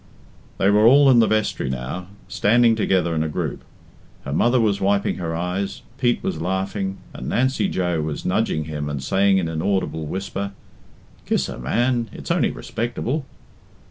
They were all in the vestry now, standing together in a group. Her mother was wiping her eyes, Pete was laughing, and Nancy Joe was nudging him and saying in an audible whisper, "Kiss her, man it's only respectable."